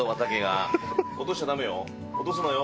落とすなよ。